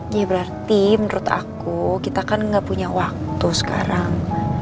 ya berarti menurut aku kita kan nggak punya waktu sekarang